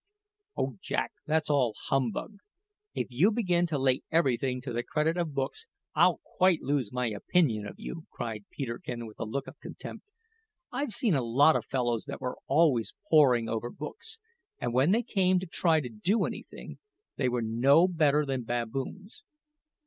"Oh, Jack, that's all humbug! If you begin to lay everything to the credit of books, I'll quite lose my opinion of you," cried Peterkin with a look of contempt. "I've seen a lot o' fellows that were always poring over books, and when they came to try to do anything, they were no better than baboons!"